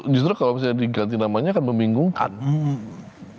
justru kalau misalnya diganti namanya akan membingungkan